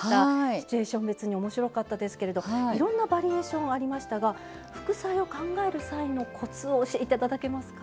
シチュエーション別に面白かったですけれどいろんなバリエーションありましたが副菜を考える際のコツをお教えいただけますか？